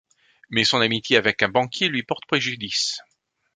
Mais son amitié avec un banquier lui porte préjudice.